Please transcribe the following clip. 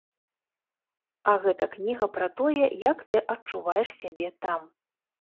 А гэта кніга пра тое, як ты адчуваеш сябе там.